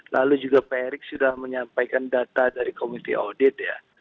lalu juga pak erick sudah menyampaikan data dari komite audit ya